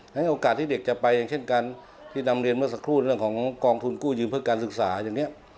ให้โอกาสที่เด็กจะไปอย่างเช่นกันที่นำเรียนเมื่อสักครู่เรื่องของกองทุนกู้ยืมเพื่อการศึกษาอย่างนี้